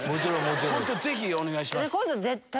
本当ぜひお願いします。